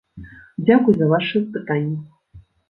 Дзякуй за вашы пытанні!